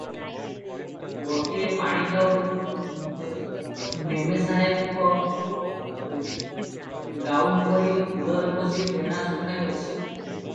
ଗୋଟାଏ ପାଣିକାଉ ମେମେସାହେବଙ୍କ ଗାଉନ୍ ପରି କୂଳରେ ବସି ଡେଣା ସୁଖାଉ ଅଛି ।